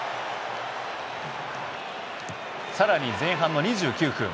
さらに前半の２９分